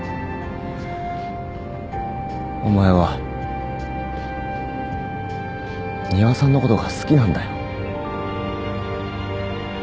お前は仁和さんのことが好きなんだよ。